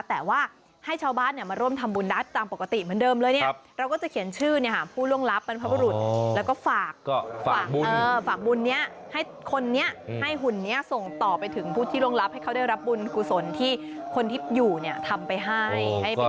แต่ว่าให้ชาวบ้านมาร่วมทำบุญรัฐตามปกติเหมือนเดิมเลยเนี่ยเราก็จะเขียนชื่อผู้ล่วงลับบรรพบุรุษแล้วก็ฝากบุญนี้ให้คนนี้ให้หุ่นนี้ส่งต่อไปถึงผู้ที่ล่วงลับให้เขาได้รับบุญกุศลที่คนที่อยู่เนี่ยทำไปให้